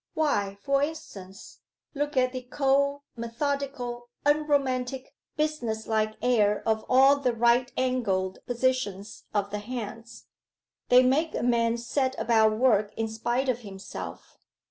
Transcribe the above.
'Why, for instance: look at the cold, methodical, unromantic, business like air of all the right angled positions of the hands. They make a man set about work in spite of himself.